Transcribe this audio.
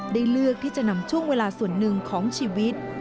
เลือกที่จะนำช่วงเวลาส่วนหนึ่งของชีวิต